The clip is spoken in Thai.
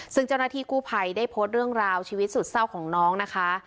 ซึ่งเจ้าหน้าที่กู้ภัยได้โพสต์เรื่องราวชีวิตสุดเศร้าของน้องนะคะ